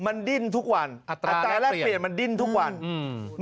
มันดิ้นทุกวันอัตราแรกเปลี่ยนมันดิ้นทุกวันอืม